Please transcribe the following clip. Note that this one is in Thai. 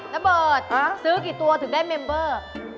ระเบิดซื้อกี่ตัวถึงได้เมมเบอร์